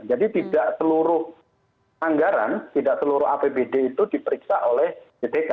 jadi tidak seluruh anggaran tidak seluruh apbd itu diperiksa oleh bpk